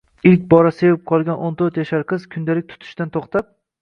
Ilk bora sevib qolgan o‘n to‘rt yashar qiz kundalik tutishdan to‘xtab